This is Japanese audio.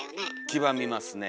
黄ばみますね。